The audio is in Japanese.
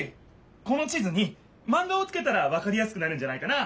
この地図にマンガをつけたらわかりやすくなるんじゃないかな。